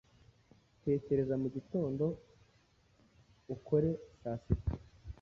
Tekereza mugitondo, ukore saa sita,